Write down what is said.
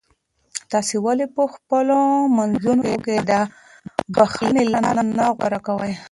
تاسو ولې په خپلو منځونو کې د بښنې لاره نه غوره کوئ؟